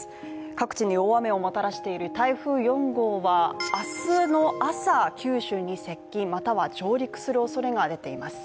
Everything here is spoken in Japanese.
各地に大雨をもたらしている台風４号は明日の朝、九州に接近、または上陸するおそれが出ています。